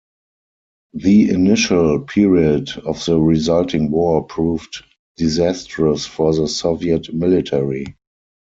The initial period of the resulting war proved disastrous for the Soviet military.